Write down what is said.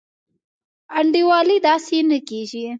انډيوالي داسي نه کيږي.